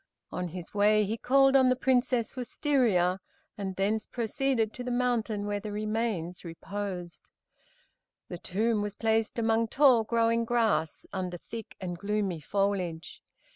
On his way he called on the Princess Wistaria, and thence proceeded to the mountain where the remains reposed. The tomb was placed among tall growing grass, under thick and gloomy foliage.